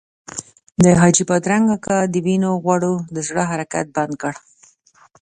د حاجي بادرنګ اکا د وینو غوړو د زړه حرکت بند کړ.